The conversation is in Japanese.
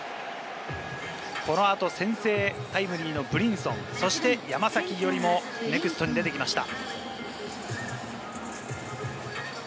このあと先制タイムリーのブリンソン、そして山崎伊織もネクストに出てきました。